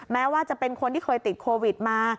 แม้ว่าจะเป็นคนที่เคยติดโควิดมา